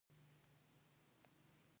د عنعنوي کرنې دوام حاصل کموي.